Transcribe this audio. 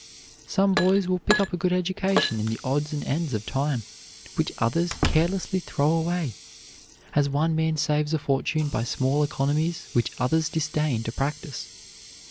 Some boys will pick up a good education in the odds and ends of time which others carelessly throw away, as one man saves a fortune by small economies which others disdain to practise.